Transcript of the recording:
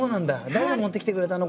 誰が持ってきてくれたの？